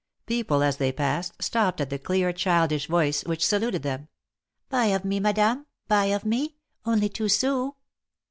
People, as they passed, stopped at the clear, childish voice, which saluted them :" Buy of me, Madame, buy of me ; only two sous."